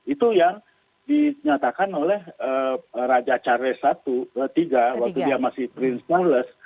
itu yang dinyatakan oleh raja charles iii waktu dia masih prince charles